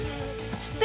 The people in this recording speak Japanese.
知ってる？